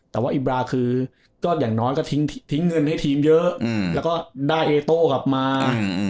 แต่ว่าอิบราคือก็อย่างน้อยก็ทิ้งเงินให้ทีมเยอะแล้วก็ได้เอโต้กลับมา